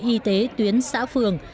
y tế tuyến xã phường